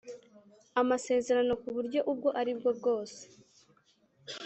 Amasezerano ku buryo ubwo aribwo bwose